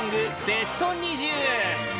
ベスト２０